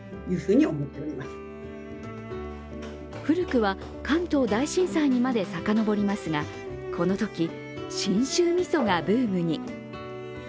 古くは関東大震災にまで遡りますがこのとき、信州みそがブームに。